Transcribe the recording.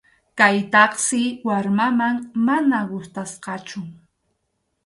Kaytaqsi warmaman mana gustasqachu.